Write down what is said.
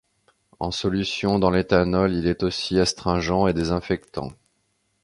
En solution dans l'éthanol il est aussi astringent et désinfectant.